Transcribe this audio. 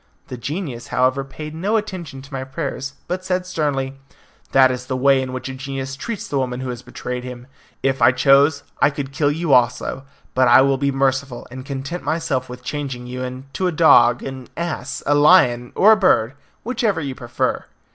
The genius, however, paid no attention to my prayers, but said sternly, "That is the way in which a genius treats the woman who has betrayed him. If I chose, I could kill you also; but I will be merciful, and content myself with changing you into a dog, an ass, a lion, or a bird whichever you prefer."